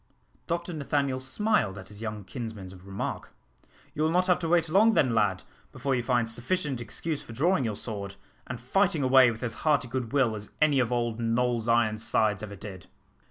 Dr Nathaniel smiled at his young kinsman's remark. "You will not have to wait long then, lad, before you find sufficient excuse for drawing your sword, and fighting away with as hearty good will as any of old Noll's Ironsides ever did."